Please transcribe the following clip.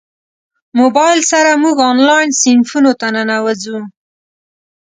موبایل سره موږ انلاین صنفونو ته ننوځو.